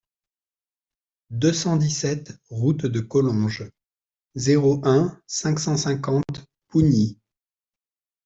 deux cent dix-sept route de Collonges, zéro un, cinq cent cinquante Pougny